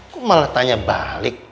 kok malah tanya balik